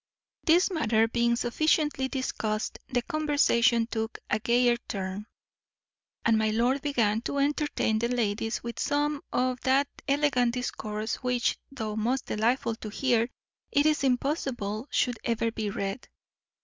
This matter being sufficiently discussed, the conversation took a gayer turn; and my lord began to entertain the ladies with some of that elegant discourse which, though most delightful to hear, it is impossible should ever be read.